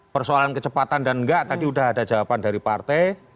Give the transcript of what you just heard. persoalan kecepatan dan enggak tadi udah ada jawaban dari partai